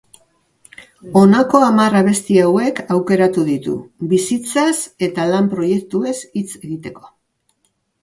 Honako hamar abesti hauek aukeratu ditu, bizitzaz eta lan proiektuez hitz egiteko.